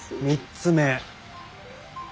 ３つ目。